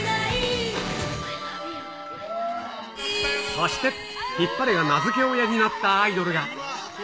そして、ヒッパレが名付け親になったアイドルが。